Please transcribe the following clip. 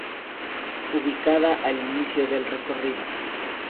Ubicada al inicio del recorrido.